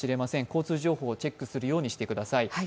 交通情報をチェックするようにしてください。